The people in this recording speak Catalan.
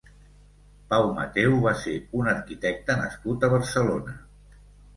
Pau Mateu va ser un arquitecte nascut a Barcelona.